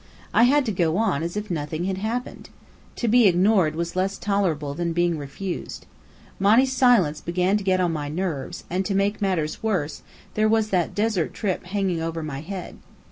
I had to go on as if nothing had happened. To be ignored was less tolerable than being refused. Monny's silence began to get upon my nerves; and to make matters worse, there was that desert trip hanging over my head.